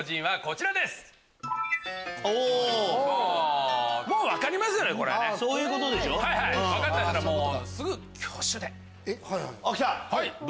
はいはい！